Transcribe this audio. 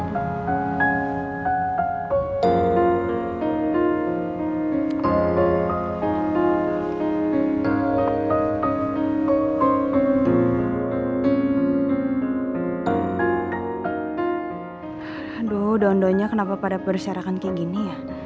aduh daun daunnya kenapa pada perusahaan kayak gini ya